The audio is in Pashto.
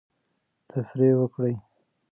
تفریح وکړئ.